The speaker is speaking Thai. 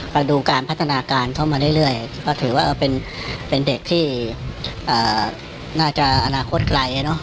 ก็ดูการพัฒนาการเข้ามาเรื่อยก็ถือว่าเป็นเด็กที่น่าจะอนาคตไกลเนอะ